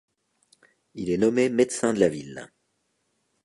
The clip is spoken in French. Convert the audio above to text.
Il est nommé médecin de la ville.